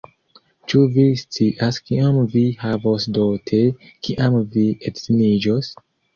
Ĉu vi scias kiom vi havos dote, kiam vi edziniĝos?